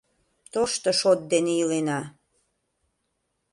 Тошто шот дене илена...